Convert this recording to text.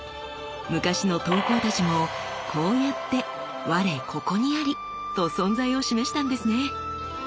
昔の刀工たちもこうやって「我ここにあり！」と存在を示したんですね。